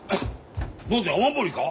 何だ雨漏りか？